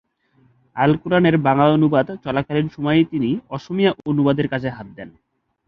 আল-কুরআনের বাংলা অনুবাদ চলাকালীন সময়েই তিনি অসমীয়া অনুবাদের কাজে হাত দেন।